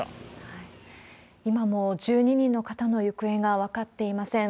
今も１２人の方の行方が分かっていません。